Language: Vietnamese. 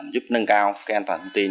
giúp nâng cao an toàn hệ thống tin